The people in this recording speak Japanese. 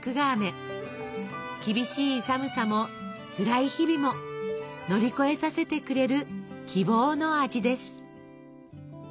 厳しい寒さもつらい日々も乗り越えさせてくれる希望の味です。